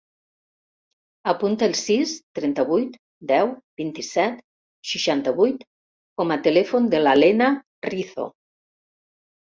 Apunta el sis, trenta-vuit, deu, vint-i-set, seixanta-vuit com a telèfon de la Lena Rizo.